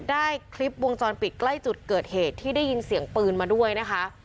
ได้คลิปวงจรปิดใกล้จุดเกิดเหตุที่ได้ยินเสียงปืนมาด้วยนะคะ